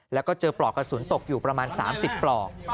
แล้วก็เจอปลอกกระสุนตกอยู่ประมาณ๓๐ปลอก